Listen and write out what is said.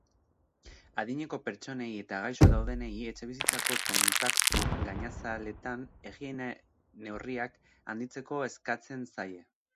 Adineko pertsonei eta gaixo daudenei etxebizitzako kontaktu gainazaletan higiene-neurriak handitzeko eskatzen zaie.